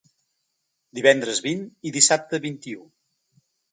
Divendres vint i dissabte vint-i-u.